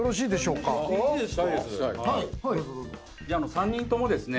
３人ともですね